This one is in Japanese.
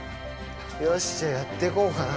よしじゃあやってこうかな。